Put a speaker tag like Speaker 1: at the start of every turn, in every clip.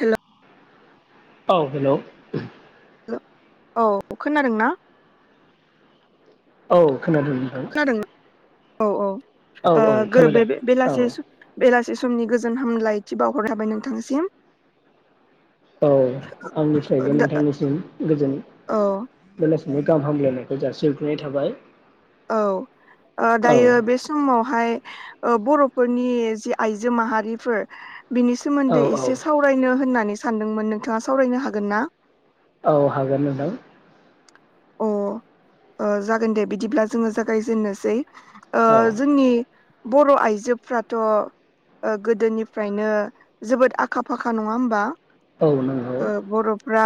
Speaker 1: हेल'
Speaker 2: औ हेल'
Speaker 1: औ खोनादों ना?
Speaker 2: औ खोनादों नोंथां।
Speaker 1: औ औ
Speaker 2: औ औ
Speaker 1: [unintelligible] बे सम
Speaker 2: खोनादों
Speaker 1: बे
Speaker 2: औ
Speaker 1: बेलासे समनि गोजो गोजोन हामलायथि बावहरनो हाबाय नोंथांसिम।
Speaker 2: औ आंनिफ्रायबो नोंथांनिसिम गोजोन
Speaker 1: औ
Speaker 2: बेलासिनि गाहाम हामलायनायखौ जासिहर नाय थाबाय।
Speaker 1: औ ओ
Speaker 2: औ
Speaker 1: दायो बे समावहाय ओ बर'फोरनि जि आइजो माहारिफोर बिनि
Speaker 2: औ
Speaker 1: सोमोन्दै
Speaker 2: औ
Speaker 1: एसे सावरायनो होननानैसो सानदोंमोन नोंथाङा सावरायनो हागोन ना?
Speaker 2: औ हागोन नोंथां।
Speaker 1: अ ओ जागोन दे बिदिब्ला जोङो जागायजेननोसै। ओ
Speaker 2: औ
Speaker 1: जोंनि बर' आइजोफ्राथ' ओ गोदोनिफ्रायनो जोबोद आखा फाखा नङा होमबा?
Speaker 2: औ नंगौ
Speaker 1: ओ बर'फ्रा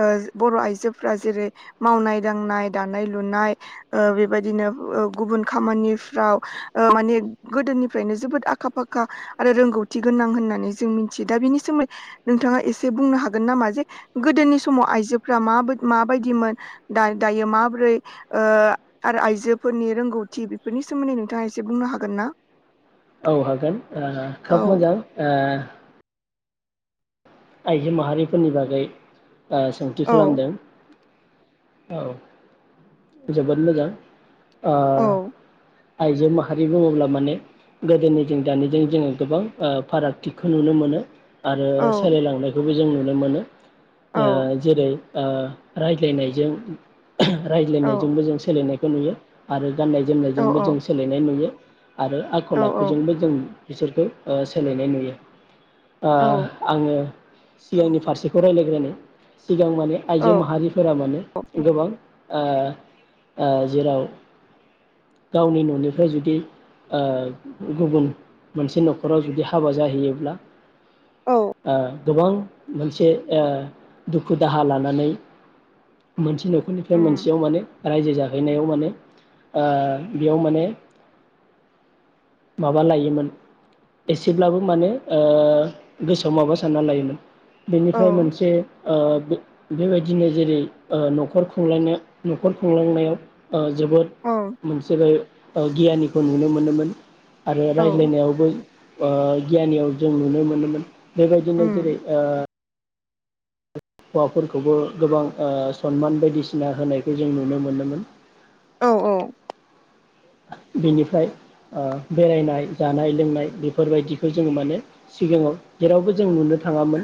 Speaker 1: ओ बर' आइजोफ्रा जेरै मावनाय दांनाय दानाय लुनाय ओ बेबायदिनो ओ गुबुन खामानिफ्राव ओ माने गोदोनिफ्रायनो जोबोद आखा फाखा आरो रोंगौथि गोनां होननानै जों मिथियो दा बिनि सोमोन्दै नोंथाङा एसे बुंनो हागोन नामा जे गोदोनि समाव आइजोफ्रा माबा माबायदिमोन? दा दायो माबोरै ओ आरो आइजोफोरनि रोंगौथि बेफोरनि सोमोन्दै नोंथाङा एसे बुंनो हागोन ना?
Speaker 2: औ हागोन ओ
Speaker 1: औ
Speaker 2: खोब मोजां ओ आइजो माहारिफोरनि बागै ओ सोंथि
Speaker 1: औ
Speaker 2: खालामदों। औ जोबोद मोजां। आ
Speaker 1: औ
Speaker 2: आइजो माहारि बुङोब्ला माने गोदोनि जों दानिजों जोङो गोबां फारागथिखौ नुनो मोनो। आरो
Speaker 1: औ
Speaker 2: सोलायलांनायखौ जों नुनो मोनो।
Speaker 1: औ
Speaker 2: ओ जेरै ओ रायज्लायनायजों
Speaker 1: औ
Speaker 2: सोलिनायजोंबो जों सोलायनाय खौ नुयो आरो गाननाय
Speaker 1: औ
Speaker 2: जोमनायजोंबो जों सोलायनाय नुयो। आरो
Speaker 1: औ
Speaker 2: आखल आखुजोंबो जों बिसोरखौ ओ सोलायनाय नुयो। ओ
Speaker 1: औ
Speaker 2: आङो सिगांनि फारसेखौ रायलायग्रोनो सिगां माने
Speaker 1: औ
Speaker 2: आइजो माहारिफोरा माने
Speaker 1: औ
Speaker 2: गोबां ओ ओ जेराव गावनि न'निफ्राय जुदि ओ गुबुन मोनसे न'खराव जुदि हाबा जाहैयोब्ला ओ गोबां मोनसे ओ दुखु दाहा लानानै मोनसे न'खरनिफ्राय बे
Speaker 1: उम
Speaker 2: मोनसेयाव माने रायजो जाहैनायाव माने ओ बेयाव माने माबा लायोमोन एसेब्लाबो माने ओ गोसोआव माबा सानना लायोमोन
Speaker 1: औ
Speaker 2: बेनिफ्राय मोनसे ओ बेबायदिनो जेरै ओ न'खरखौ खुंलायनाय न'खर खुंलांनायाव ओ जोबोद
Speaker 1: औ
Speaker 2: मोनसेबो ओ गियानिखौ नुनो मोनोमोन। आरो
Speaker 1: औ
Speaker 2: रायज्लायनायावबो ओ गियानियाव जों नुनो मोनोमोन। बेबायदिनो जेरै
Speaker 1: उम
Speaker 2: ओ हौवाफोरखौबो गोबां ओ सनमान बायदिसिना होनायखौ जों नुनो मोनोमोन
Speaker 1: औ औ
Speaker 2: बेनिफ्राय ओ बेरायनाय जानाय लोंनाय बेफोरबायदिखौ जोङो माने सिगाङाव जेरावबो जों नुनो थाङामोन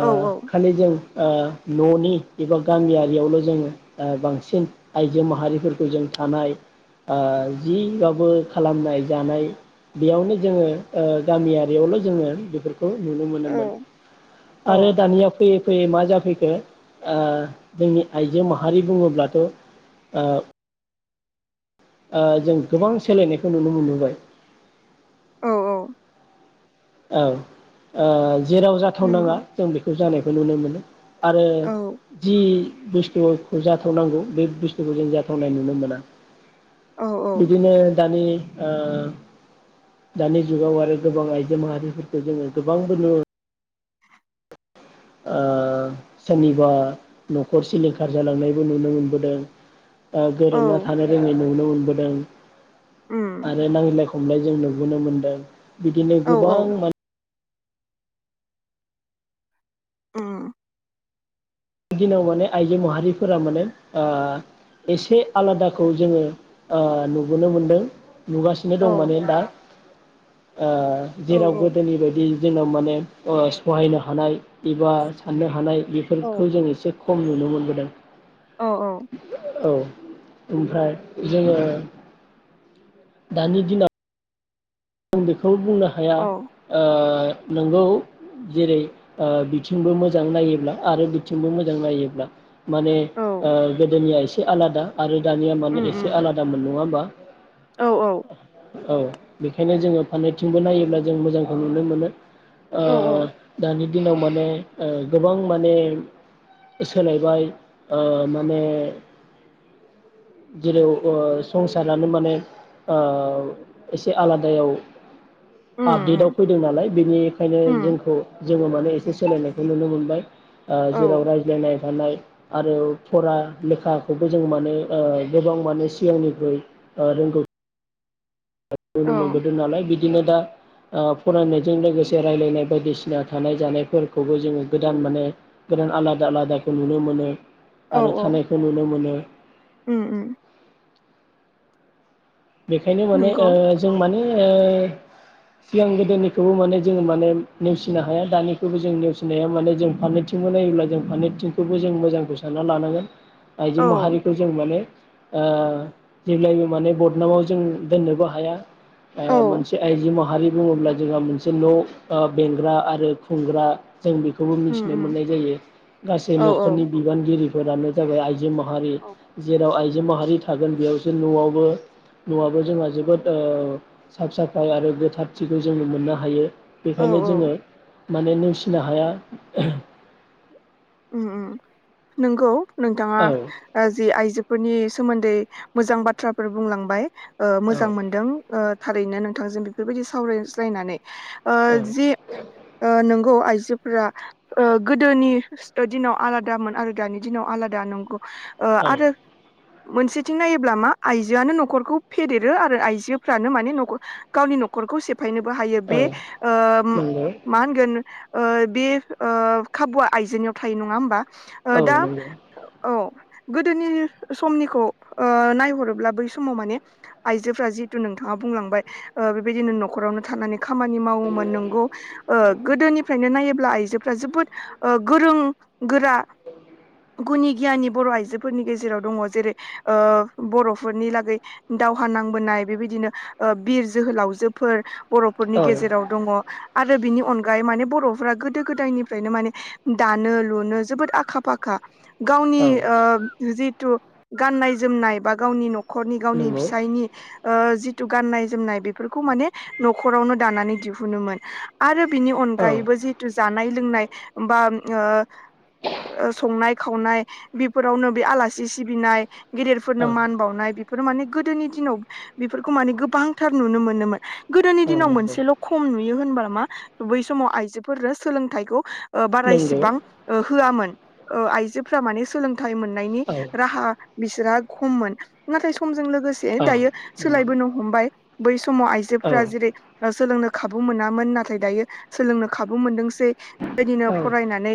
Speaker 2: ओ
Speaker 1: औ
Speaker 2: खालि जों ओ न'नि एबा गामियारियावल' जोङो ओ बांसिन आइजो माहारिफोरखौ जों थानाय ओ जिबाबो खालामनाय जानाय बेयावनो जोङो ओ गामियारियावल' जोङो बेफोर खो नुनो
Speaker 1: औ
Speaker 2: मोनोमोन आरो दानिया फैयै फैयै मा जा फैखो ओ जोंनि आइजो माहारि बुङोब्लाथ' ओ ओ जों गोबां सोलायनायखौ नुनो मोनबोबाय।
Speaker 1: औ औ
Speaker 2: औ ओ जेराव जाथावनाङा
Speaker 1: नंगौ
Speaker 2: जों बेखौ जानाय खौ नुनो मोनो आरो
Speaker 1: औ
Speaker 2: जि बुस्थुखौ जाथावनांगौ बे बुस्थुखौ जों जाथावनाय नुनो मोना।
Speaker 1: औ औ
Speaker 2: बिदिनो दानि ओ दानि जुगाव आरो गोबां आइज जो माहारिफोरखौ जोङो गोबांबो नु ओ सोरनिबा न'खर सिलिंखार जालांनायबो नुनो मोनबोदों। ओ गोरोबना थानो रोङै नुनो मोनबो दों।
Speaker 1: उम
Speaker 2: आरो नांज्लाय खमलाय जोंनो नुनो मोनदों। बिदिनो
Speaker 1: औ औ
Speaker 2: गोबां मान
Speaker 1: ओम
Speaker 2: दिनाव माने आइजो माहारिफोरा माने ओ एसे आलादाखौ जोङो ओ नुबोनो मोनदों। नुगासिनो
Speaker 1: औ
Speaker 2: दं माने दा ओ
Speaker 1: औ
Speaker 2: जेराव गोदोनि बादि जोंनाव माने अ' सहायनो हानाय एबा साननो हानाय खौ जों एसे खम नुनो मोनबोदों।
Speaker 1: औ
Speaker 2: ओ औ ओमफ्राय जोङो दानि दिनाव आं बेख बेखौ बुंनो हाया ओ नोंगौ जेरै ओ बिथिंबो मोजां नायोब्ला आरो बिथिंबो मोजां नायोब्ला माने
Speaker 1: औ
Speaker 2: ओ गोदोनिया एसे से आलादा। आरो दानिया माने
Speaker 1: उम उम
Speaker 2: एसे आलादामोन नङा होमबा? [unintelligible]
Speaker 1: औ औ
Speaker 2: औ बे बेखायनो जोङो फारनैथिंबो नायोब्ला जों मोजांखौ नुनो मोनो। ओ
Speaker 1: औ
Speaker 2: दानि दिनाव माने ओ गोबां माने सोलायबाय ओ माने जेराव ओ संसारानो माने ओ एसे आलादायाव
Speaker 1: उम
Speaker 2: आपडेटआव
Speaker 1: उम
Speaker 2: फैदों नालाय बेनि खायनो
Speaker 1: उम
Speaker 2: जोंखौ जोङो माने एसे सोलायनायखौ नुनो मोनबाय। ओ
Speaker 1: औ
Speaker 2: जेराव रायज्लायनाय गानाय आरो फरा लेखाखौबो जों माने ओ गोबां माने सिगांनिख्रुइ ओ रोंगौ [unintelligible] मोन बोदों नालाय। बिदिनो दा ओ फरायनायजों लोगोसे रायलायनाय बायदिसिना थानाय जानाय फोरखौबो जोङो गोदान माने गोदान आलादा आलादाखौ नुनो मोनो।
Speaker 1: औ
Speaker 2: आरो थानायखौ नुनो मोनो।
Speaker 1: उम उम
Speaker 2: बेखायनो माने ओ
Speaker 1: नंगौ
Speaker 2: जों माने ओ सिगां गोदोनिखौबो माने जोङो माने नेवसिनो हाया। दानिखोबो जों नेवसिनो हाया माने जों फारनैथिंबो नायोब्ला जों फारनैथिंखोबो जों मोजांखौ सानना लानांगोन। आइजो
Speaker 1: औ
Speaker 2: माहारिखौ जों माने ओ जेब्लायबो माने ब र नामाव जों दोननोबो हाया।
Speaker 1: औ
Speaker 2: ओ मोनसे आइजो माहारि बुङोब्ला जोंहा मोनसे न' ओ बेंग्रा आरो खुंग्रा। जों बेखौबो
Speaker 1: उम
Speaker 2: मिथिनो
Speaker 1: उम
Speaker 2: मोननाय जायो गासै
Speaker 1: औ औ
Speaker 2: न'खरनि बिबानगिरि फोरानो जाबाय आइजो मा हारि जेराव आइजो जो माहारि थागोन बेयावसो न'आवबो न'आबो जोंहा जोबोद ओ साफ साफाय आरो गोथारथिखौ जोङो मोननो हायो।
Speaker 1: औ
Speaker 2: बेखायनो जोङो माने नेवसिनो हाया।
Speaker 1: उम उम नोंगौ। नोंथाङा
Speaker 2: औ
Speaker 1: ओ जि आइजो फोरनि सोमोन्दै मोजां बाथ्राफोर बुंलांबाय। ओ मोजां
Speaker 2: औ
Speaker 1: मोनदों ओ थारैनो नोंथांजों बेफोरबायदि सावरायज्लायनानै ओ
Speaker 2: औ
Speaker 1: जि ओ गौ आइजोफोरा ओ गोदोनि दिनाव आलादामोन आरो दानि दिनाव आलादा नंगौ। ओ
Speaker 2: औ
Speaker 1: आरो मोनसेथिं नायोब्ला मा आइजोआनो न'खरखौ फेदेरो आरो आइजोफ्रानो माने न'खर गावनि न'खरखौ से फायनोबो हायो
Speaker 2: औ
Speaker 1: बे ओ
Speaker 2: नंगौ
Speaker 1: मा होनगोन? ओ बे ओ खाबुआ आइजोनियाव थायो नङा होमबा? ओ
Speaker 2: औ
Speaker 1: दा
Speaker 2: नंगौ
Speaker 1: औ गोदोनि समनिखौ ओ नायहरोब्ला बै समाव माने आइजोफोरा जिहथु नोंथाङा बुंलांबाय ओ बेबायदिनो न'खरावनो थानानै खामानि मावोमोन नंगौ ओ गोदोनिफ्रायनो नायो ब्ला आइजोफ्रा जोबोद ओ गोरों गोरा गुनि गियानि बर' आइजोफोरनि गेजेराव दङ जेरै ओ बर'फोरनि लागै दावहा नांबोनाय बेबायदिनो बिर जोहोलावजोफोर बर'फोरनि
Speaker 2: औ
Speaker 1: गेजेराव दङ। आरो बिनि अनगायै माने बर'फोरा गोदो गोदायनिफ्रायनो माने दानो लुनो जोबोद आखा फाखा। गावनि
Speaker 2: औ
Speaker 1: ओ जि तु गाननाय जोमनाय बा गावनि न'ख खरनि गावनि
Speaker 2: नंगौ
Speaker 1: फिसायनि ओ जिथु गाननाय जोमनाय बेफोरखौ माने न'खरावनो दानानै दिहुनोमोन आरो बिनि
Speaker 2: औ
Speaker 1: अनगायैबो जितु जानाय लोंनाय बा ओ ओ संनाय खावनाय बिफोरावनो बे आलासि सिबिनाय। गेदेरफोरनो
Speaker 2: औ
Speaker 1: मान बावनाय फोर माने गोदोनि दिनाव बेफोरखौ माने गोबांथार नुनो मोनोमोन। गोदोनि
Speaker 2: औ
Speaker 1: दिनाव
Speaker 2: नंगौ
Speaker 1: मोनसेल' खम नु बि होनबा मा बै समाव आइजोफोरो सोलोंथायखौ बारा
Speaker 2: नंगौ
Speaker 1: एसेबां मोन आइजो फोरा माने सोलों फिथाय मोननायनि
Speaker 2: औ
Speaker 1: राहा बिसोरा खममोन नाथाय समजों लोग लोगोसे
Speaker 2: औ
Speaker 1: दायो
Speaker 2: नंगौ
Speaker 1: सोलायबोनो हमबाय। बैस समाव
Speaker 2: औ
Speaker 1: आइजोफोरा जेरै सोलोंनो खाबु मोनामोन नाथाय दायो सोलोंनो खाबु मोनदों बेबायदिनो
Speaker 2: औ
Speaker 1: फरायनानै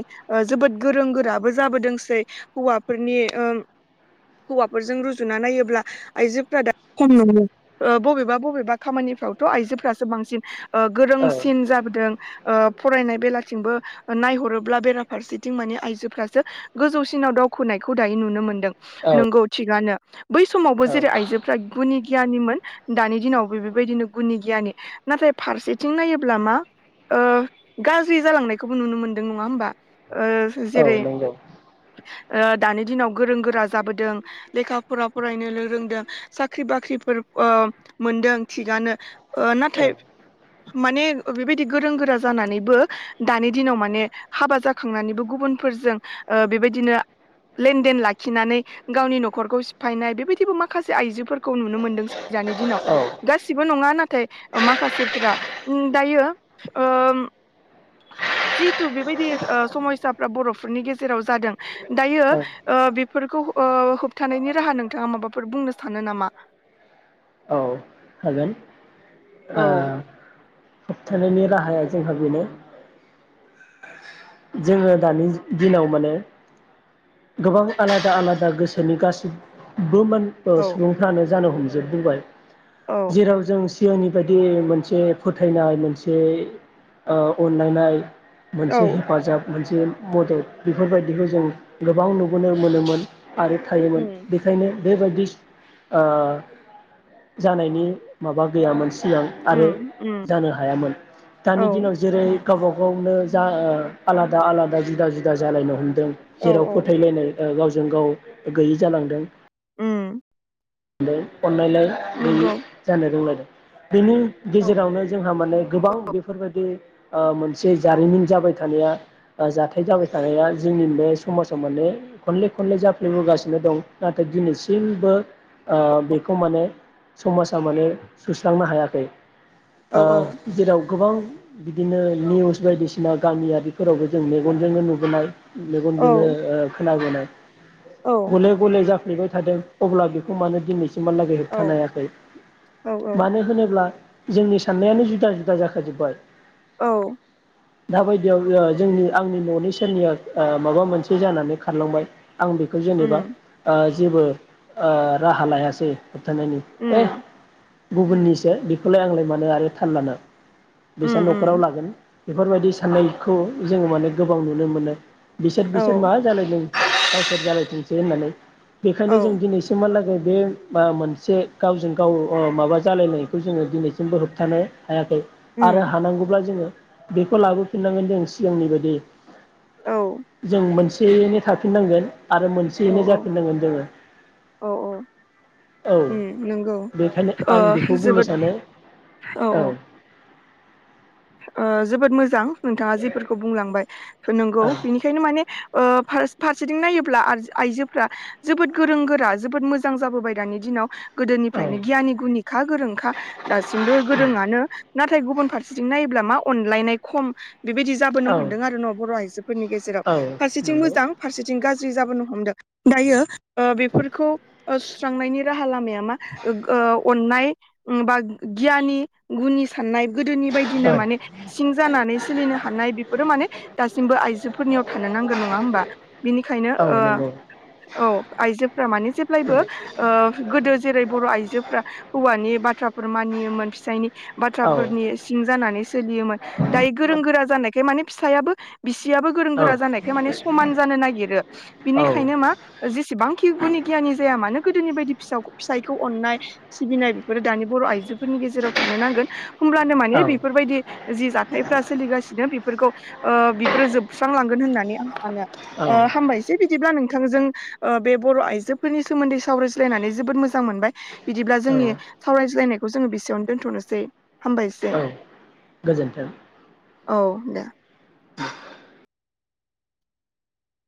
Speaker 1: जोबोद गोरों गोराबो जाबोदोंसै हौवाफोरनि ओ हौवाफोरजों रुजुना नायोब्ला आइजोफोरा दा खम मोनो बबेबा बबेबा खामानिफ्रावथ' आइजोफ्रासो बांसिन ओ
Speaker 2: औ
Speaker 1: गोरोंसिन जाबोदों ओ फरायनाय बेलाथिंबो नायहरोब्ला बेरा फारसेथिं माने आइजोफ्रासो गोजौसिनाव दावखोनायखौ दायो नुनो मोनदों
Speaker 2: औ
Speaker 1: नंगौ थिगानो बै समावबो जेरै आइजोफ्रा गुनि गियानिमोन दानि दिनावबो बेबायदिनो गुनि गियानि नाथाय फारसेथिं नायोब्ला मा ओ गाज्रि जालांनायखौबो नुनो मोनदों नङा होमबा ओ
Speaker 2: औ
Speaker 1: जेरै
Speaker 2: नंगौ
Speaker 1: ओ दानि दिनाव गोरों गोरा जाबोदों लेखाफोरा फरायनो रोंदों साख्रि बाख्रिफोर ओ मोनदों थिगानो
Speaker 2: औ
Speaker 1: नाथाय माने बेबायदि गोरों गोरा जानानैबो दानि दिनाव माने हाबा जा खांनानैबो गुबुनफोरजों बेबायदिनो लेनदेन लाखिनानै गावनि न'खरखौ सिफायनाय बेबायदिबो माखासे आइजोफोरखौ नुनो मोनदों दानि दिनाव
Speaker 2: औ
Speaker 1: गासिबो नङा नाथाय माखासेफोरा दायो ओ जिथु बेबायदि ओ समयसाफ्रा बर'फोरनि गेजेराव जादों दायो ओ बेफोरखौ होबथानायनि राहा नोंथाङा माबाफोर बुंनो सानो नामा?
Speaker 2: औ हागोन
Speaker 1: औ
Speaker 2: ओ होबथानायनि राहाया जोंहा बेनो जोङो दानि दिनाव माने गोबां आलादा आलादा गोसोनि गासि मोन ओ
Speaker 1: औ
Speaker 2: सुबुंफ्रानो जानो हम जोबबोबाय
Speaker 1: औ
Speaker 2: जेराव जों सिगांनि बायदि मोनसे फोथायनाय मोनसे ओ अनलायनाय मोनसे हे
Speaker 1: औ
Speaker 2: फाजाब मोनसे मदद बेफोरबायदिखौ जों गोबां नुबोनो मोनोमोन। आरो थायोमोन
Speaker 1: उम
Speaker 2: बेखायनो बेबायदि ओ जानायनि माबा गैयामोन सिगां आरो
Speaker 1: उम उम
Speaker 2: जानो हायामोन
Speaker 1: औ
Speaker 2: दानि दिनाव जेरै गावबा गावनो जा ओ आलादा आलादा जुदा जुदा जालायनो हम दों
Speaker 1: औ
Speaker 2: जेराव
Speaker 1: औ
Speaker 2: फोथायलायनाय ओ गावजों गाव गैयि जालांदों।
Speaker 1: उम
Speaker 2: ओमफाय अनलायलायनाय गैयै
Speaker 1: नंगौ
Speaker 2: जानो रोंलांदों। बेनि
Speaker 1: औ
Speaker 2: गेजेरावनो जोंहा माने गोबां बेफोरबायदि ओ मोनसे जारिमिन जाबाय थानाया जाथाय जाबाय थानाया जोंनि बे समाजाव माने खनले खनले जाफ्लेबोगासिनो दं नाथाय दिनैसिमबो ओ बेखौ माने समाजा माने सुस्रांनो हायाखै।
Speaker 1: औ
Speaker 2: आ जेराव गोबां बिदिनो निउस बायदिसिना गामियारिफोरावबो जों मेगनजोंनो नुबोनाय । मेगनजोंनो
Speaker 1: औ
Speaker 2: ओ खोनाबोनाय
Speaker 1: औ
Speaker 2: [inaudible] गले गले जा फ्लेबाय थादों अब्लाबो खमानो दिनै इमानलागै
Speaker 1: औ
Speaker 2: होबथानो हायाखै
Speaker 1: औ औ
Speaker 2: मानो होनोब्ला जोंनि साननायानो जुदा जुदा जाखाजोब्बाय।
Speaker 1: औ
Speaker 2: दाबायदियाव जोंनि आंनि न'नि सेरनिया आ माबा मोनसे जानानै खारलांबाय आं बेखौ जेनेबा
Speaker 1: उम
Speaker 2: आ जेबो आ राहा लायासै होबथानायनि ।
Speaker 1: उम
Speaker 2: गुबुननिसो बेखौलाय आंलाय मानो आरो थाल लानो। बिसा
Speaker 1: उम
Speaker 2: न'खराव
Speaker 1: उम
Speaker 2: लागोन। बेफोरबायदि साननायखौ जोङो माने गोबां नुनो मोनो। बिसोर
Speaker 1: औ
Speaker 2: बिसोर मा जालाय दों गावसोर जालायथोंसै होनानै बेखायनो जों
Speaker 1: औ
Speaker 2: दिनै सिमालागै [unintelligible] बे मा मोनसे गावजों गाव माबा जालायनायखौ जोङो दिनैसिमबो होबथानो हायाखै आरो
Speaker 1: उम
Speaker 2: हानांगौब्ला जोङो बेखौ लाबोफिननांगोन जों सिगांनि बायदि
Speaker 1: औ
Speaker 2: जों मोनसे सेयैनै थाफिननांगोन। आरो
Speaker 1: औ
Speaker 2: मोनसेयैनो जाफिननांगोन जोङो।
Speaker 1: औ औ
Speaker 2: औ
Speaker 1: उम नंगौ
Speaker 2: बेखायनो
Speaker 1: ओ
Speaker 2: आं बेखौ बुंनो
Speaker 1: जोबोद
Speaker 2: सानो
Speaker 1: औ औ। ओ जोबोद मोजां। नोंथाङा जेफोरखौ बुंलांबाय। [unintelligible] नांगौ
Speaker 2: औ
Speaker 1: बिनिखायनो माने ओ फास-फारसेथिं नायोब्ला [unintelligible] आइजोफ्रा जोबोद गोरों गोरा जोबोद मोजां जाबोबाय दानि दिनाव।
Speaker 2: औ
Speaker 1: गोदोनिफ्रायनो गियानि गुनिखा गोरोंखा दासिमबो गोरोंङानो। नाथाय गुबुन फारसे [unintelligible] नायोब्ला मा अनलायनाय खम। बेबायदि जाबोनो
Speaker 2: औ
Speaker 1: हमदों आरो न' बर' आइजो। फोरनि गेजेराव
Speaker 2: औ
Speaker 1: फारसेथिं
Speaker 2: नंगौ
Speaker 1: मोजां फारसेथिं गाज्रि। जाबोनो हमदों दायो ओ बेफोरखौ ओ सुस्रांनायनि राहा लामाया मा ओ अननाय बा गियानि गुनि साननाय गोदोनि बायदिनो
Speaker 2: औ
Speaker 1: माने सिं जानानै सोलिनो हानाय बेफोरो माने दासिमबो आइजोफोरनियाव थानो नांगोन नङा होमबा बिनिखायनो
Speaker 2: औ नंगौ
Speaker 1: औ आइजोफ्रा माने जेब्लायबो ओ गोदो जेरै बर' आइजोफ्रा हौवानि बाथ्राफोर मानियो मोन फिसायनि
Speaker 2: औ
Speaker 1: बाथ्राफोरनि जानानै सोलियोमोन दायो गोरों गोरा जानायखाय माने फिसायाबो बिसियाबो गोरों गोरा
Speaker 2: औ
Speaker 1: जानायखाय माने समान जानो नागिरो बिनिखायनो मा जेसेबांखि गुनि गियानि जाया मानो गोदोनि बायदि फिसा फिसायखौ अननाय सिबिनाय बेफोरो दानि बर' आइजो फोरनि गेजेराव थानो नांगोन होमब्लानो मा
Speaker 2: औ
Speaker 1: बेफोरबायदि जि जाथाय फ्रा सोलिगासिनो बेफोरखौ ओ बेफोरो जोबस्रांलांगोन होननानै आं
Speaker 2: औ
Speaker 1: [unintelligible] ओ हामबायसै बिदिब्ला नों बिथांजों ओ बे बर' आइजोफोरनि सोमोन्दै सावरायज्लायनानै जोबोद मोजां मोनबाय बिदिब्ला जोंनि सावरायज्लायनाय बेखौ जोङो बेसेयावनो दोनथ'नोसै हामबायसै
Speaker 2: औ गोजोन्थों
Speaker 1: औ दे